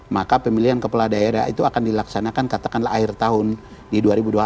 maka pemilihan kepala daerah itu akan dilaksanakan katakanlah akhir tahun di dua ribu dua puluh empat